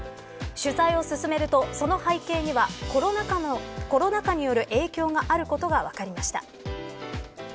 取材を進めると、その背景にはコロナ禍による影響があることが分かりました。